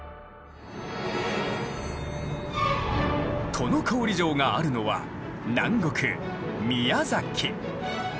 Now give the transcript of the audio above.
都於郡城があるのは南国・宮崎。